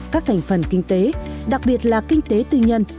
các thành phần kinh tế đặc biệt là kinh tế tư nhân